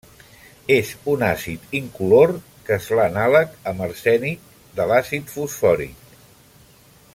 És un àcid incolor que és l'anàleg amb arsènic de l'àcid fosfòric.